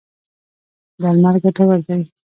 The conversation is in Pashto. درمل ګټور دی.